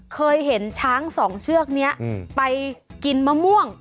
เคยเห็นช้างสองเชือกนี้ไปกินมะม่วง